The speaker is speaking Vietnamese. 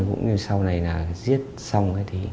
cũng như sau này là giết xong